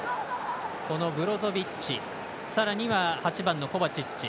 ブロゾビッチ、さらには８番のコバチッチ